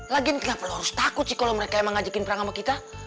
lagi kenapa harus takut sih kalau mereka yang mengajakin perang sama kita